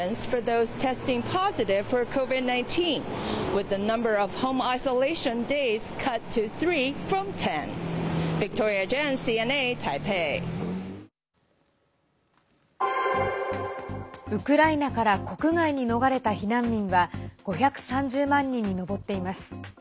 ウクライナから国外に逃れた避難民は５３０万人に上っています。